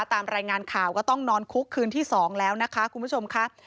ตามรายงานข่าวก็ต้องนอนคุกคืนที่๒แล้วนะคะคุณผู้ชมค่ะ